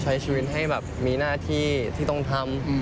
ใช้ชีวิตให้แบบมีหน้าที่ที่ต้องทำ